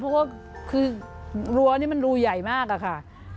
เพราะว่ารัวนี่มันรูใหญ่มากค่ะ